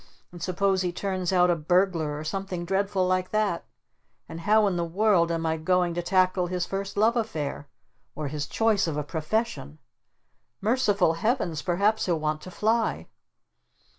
And suppose he turns out a burglar or something dreadful like that? And how in the world am I going to tackle his first love affair? Or his choice of a profession? Merciful Heavens! Perhaps he'll want to fly!"